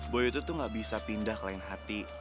boyo itu tuh gak bisa pindah ke lain hati